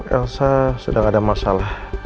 yang saya sudah ada masalah